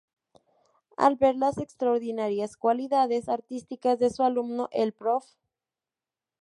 Al ver las extraordinarias cualidades artísticas de su alumno, el Profr.